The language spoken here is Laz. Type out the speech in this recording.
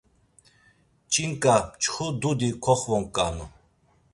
Ç̌inǩa mçxu dudi koxvonǩanu.